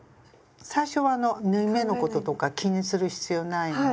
最初は縫い目のこととか気にする必要ないので。